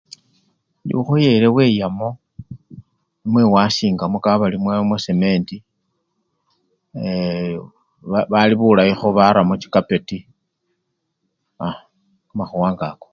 Indi ukhoyele weyamo namwe wasingamo kabari mwamwa! mwasementi eee! balibulayikho baramo chikapeti aa! kamakhuwa nga ako.